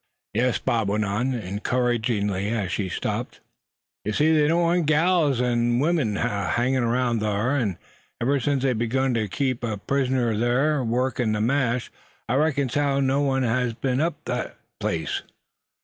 "Yes," Bob went on, encouragingly, as she stopped. "Yuh see, they don't want gals er wimen ahangin' 'round thar. An' ever since they begun ter keep a prisoner ter work ther mash, I reckons as how never one hes be'n up ter thet place."